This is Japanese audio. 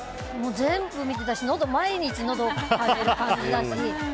全部見てたし毎日のどがかれる感じだし。